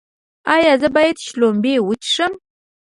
ایا زه باید شړومبې وڅښم؟